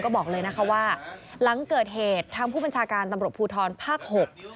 ก็บอกเลยนะคะว่าหลังเกิดเหตุทางผู้บัญชาการตำรวจภูทรภาคหก